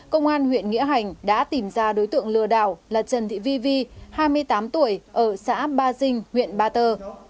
công an huyện nghĩa hành đã tìm ra đối tượng lừa đảo là trần thị vi vi hai mươi tám tuổi ở xã ba dinh huyện ba tơ